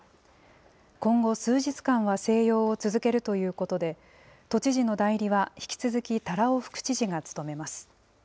今後、数日間は静養を続けるということで、都知事の代理は引き続き多羅尾副知事が務めます。